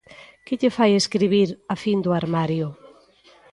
Que lle fai escribir "A fin do armario"?